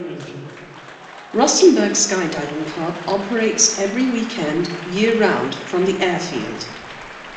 Rustenburg SkyDiving Club operates every weekend year round from the airfield.